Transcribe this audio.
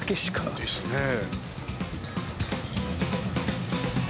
ですねえ。